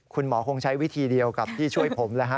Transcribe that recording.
คุณหมอคงใช้วิธีเดียวกับที่ช่วยผมแล้วฮะ